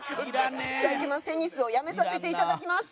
「テニスを辞めさせていただきます」。